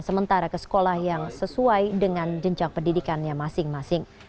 sementara ke sekolah yang sesuai dengan jenjang pendidikannya masing masing